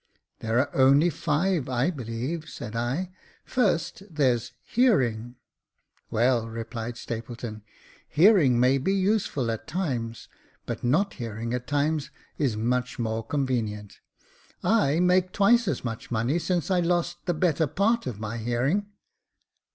" There are only five, I beheve," said I :" first, there's hearing." Well," replied Stapleton, " hearing may be useful at times, but not hearing at times is much more convenient. I make twice as much money since I lost the better part of my hearing."